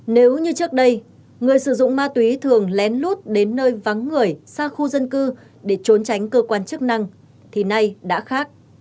nếu như trước đây người sử dụng ma túy thường lén lút đến nơi vắng người xa khu dân cư để trốn tránh cơ quan chức năng thì nay đã khác